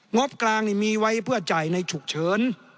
งบกลางนี่มีไว้เพื่อจ่ายในฉุกเฉิน